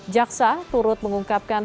jaksa turut mengungkapkan